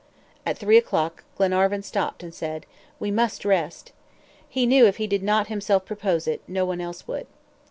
At three o'clock Glenarvan stopped and said: "We must rest." He knew if he did not himself propose it, no one else would.